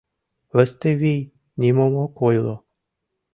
Лыстывий нимом ок ойло.